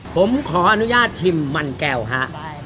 ผมขออนุญาตชิมมันแก้วฮะ